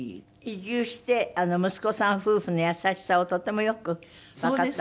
移住して息子さん夫婦の優しさをとてもよくわかったんですって？